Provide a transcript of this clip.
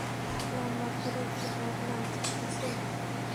লম্বা করে একটু দম নাও, ঠিক আছে?